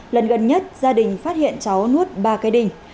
lần gần nhất gia đình phát hiện cháu nuốt ba cái đình